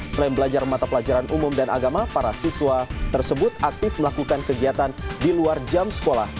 selain belajar mata pelajaran umum dan agama para siswa tersebut aktif melakukan kegiatan di luar jam sekolah